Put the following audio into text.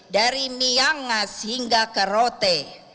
dari myangas hingga kerote